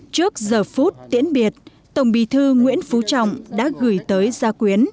trước giờ phút tiễn biệt tổng bí thư nguyễn phú trọng đã gửi tới gia quyến